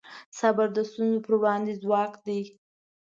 صبر د ستونزو پر وړاندې ځواک دی.